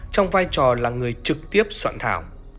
trong vai trò là người trực tiếp soạn thảo